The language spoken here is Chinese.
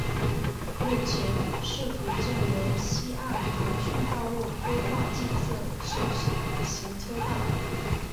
目前市府正沿溪岸防汛道路规划建设自行车道。